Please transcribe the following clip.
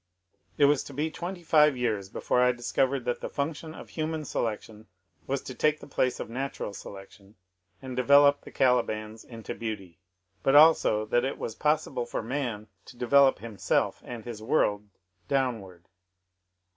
It was to be twenty five years before I discovered that the function of Human Selection was to take the place of Nat | ural Selection, and develop the Calibans into beauty, but also that it was possible for man to develop himself and his "v, world downward.